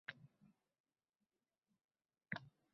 Oxirgi paytlarda kamnamo ko`rinayapsiz